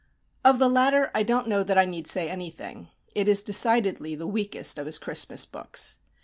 Of the latter I don't know that I need say anything. It is decidedly the weakest of his Christmas books.